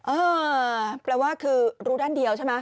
เออแปลว่าคือรู้ด้านเดียวใช่ไหม